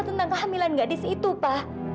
tentang kehamilan gadis itu pak